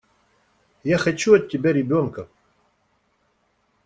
Я хочу от тебя ребёнка!